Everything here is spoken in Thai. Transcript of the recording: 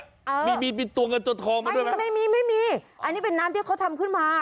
อ่ามีมีตัวเงินตัวทองมาด้วยไหมไม่มีไม่มีอันนี้เป็นน้ำที่เขาทำขึ้นมา